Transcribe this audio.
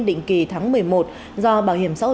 định kỳ tháng một mươi một do bảo hiểm xã hội